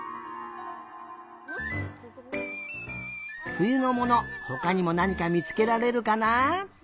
ふゆのものほかにもなにかみつけられるかな？